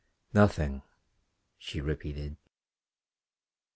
"Nothing," she repeated.